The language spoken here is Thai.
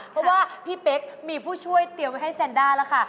เพราะว่าพี่เป๊กมีผู้ช่วยเตรียมไว้ให้แซนด้าแล้วค่ะ